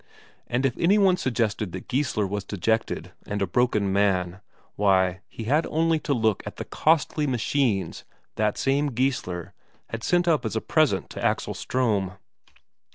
And if any one suggested that Geissler was dejected, and a broken man, why, he had only to look at the costly machines that same Geissler had sent up as a present to Axel Ström.